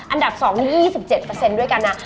อันดับ๒๒๗ด้วยกันนะ